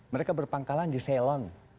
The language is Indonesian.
mereka berpangkalan di ceylon